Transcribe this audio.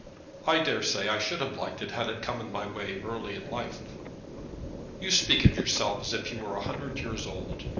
"I daresay I should have liked it had it come in my way early in life." "You speak of yourself as if you were a hundred years old.